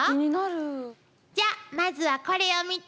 じゃまずはこれを見て。